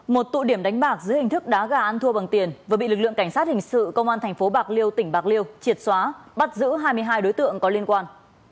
một tụ điểm đánh bạc dưới hình thức đá gà ăn thua bằng tiền vừa bị lực lượng cảnh sát hình sự công an tp bạc liêu tỉnh bạc liêu triệt xóa bắt giữ hai mươi hai đối tượng có liên quan